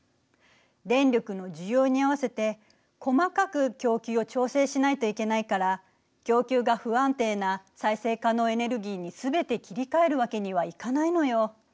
電力の需要に合わせて細かく供給を調整しないといけないから供給が不安定な再生可能エネルギーに全て切り替えるわけにはいかないのよ。